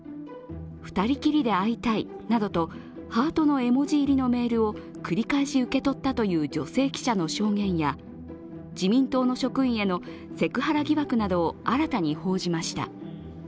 ２人きりで会いたいなどとハートの絵文字入りのメールを繰り返し受け取ったという女性記者の証言や自民党の職員へのセクハラ疑惑などを新たに報じました。